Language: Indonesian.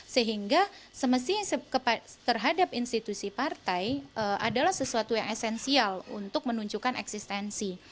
sehingga semestinya terhadap institusi partai adalah sesuatu yang esensial untuk menunjukkan eksistensi